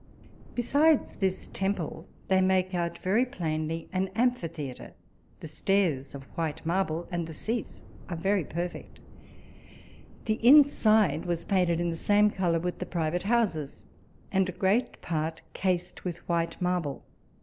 Besides this temple, they make out very plainly an amphitheatre : the stairs, of white marble, and the scats arc very perfect ; the in side was painted in the same colour with the private houses, and great part cased with white marble.